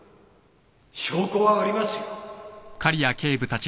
・証拠はありますよ。